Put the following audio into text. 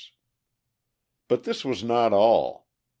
But this was not all.